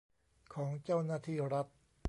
ของเจ้าหน้าที่รัฐ